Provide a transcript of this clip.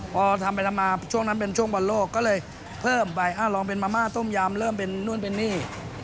พอทำไปทำมาช่วงนั้นเป็นช่วงบอลโลกก็เลยเพิ่มไปลองเป็นมาม่าต้มยำเริ่มเป็นนู่นเป็นนี่